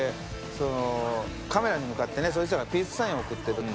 カメラに向かってそいつらピースサインを送ってる。